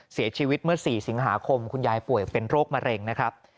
เสียชีวิตเมื่อ๔สิงหาคมคุณยายป่วยเป็นโรคมะเร็งนะครับ